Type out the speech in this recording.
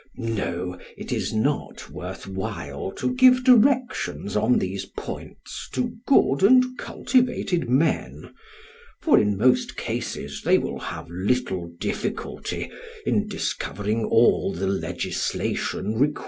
"No, it is not worth while to give directions on these points to good and cultivated men: for in most cases they will have little difficulty in discovering all the legislation required."